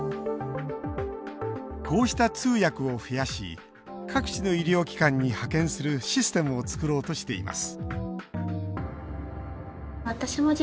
こうした通訳を増やし各地の医療機関に派遣するシステムを作ろうとしています